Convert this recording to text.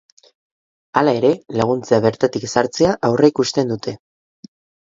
Hala ere, laguntza bertatik sartzea aurreikusten dute.